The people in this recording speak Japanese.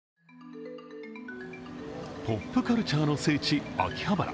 ポップカルチャーの聖地・秋葉原。